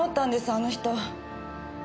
あの人。